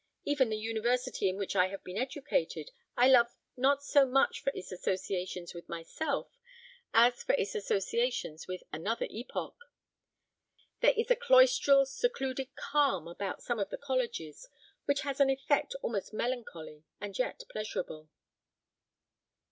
Even the university in which I have been educated I love not so much for its associations with myself as for its associations with another epoch. There is a cloistral, secluded calm about some of the colleges, which has an effect almost melancholy and yet pleasurable."